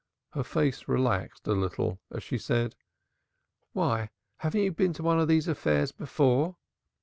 Her face relaxed a little as she said: "Why, haven't you been to one of these affairs before?"